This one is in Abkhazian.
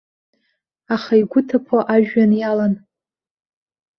Аха игәы ҭыԥо ажәҩан иалан.